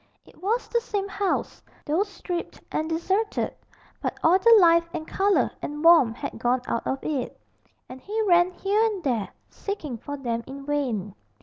It was the same house, though stripped and deserted, but all the life and colour and warmth had gone out of it; and he ran here and there, seeking for them in vain.